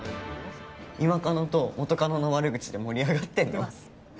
今カノと元カノの悪口で盛り上がってんの？